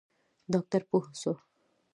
ډاکتر پوه سو.